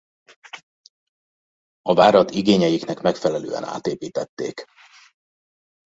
A várat igényeiknek megfelelően átépítették.